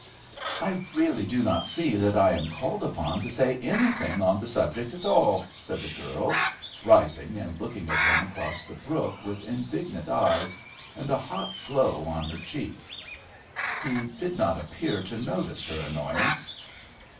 "I really do not see that I am called upon to say anything on the subject at all!" said the girl, rising and looking at him across the brook with indignant eyes and a hot glow on her cheek. He did not appear to notice her annoyance.